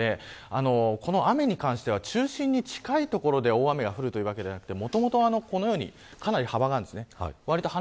幅がありますのでこの雨に関しては中心に近い所で大雨が降るというわけではなくてもともと、このようにかなり幅があるんです。